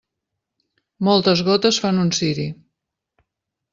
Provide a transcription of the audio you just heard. Moltes gotes fan un ciri.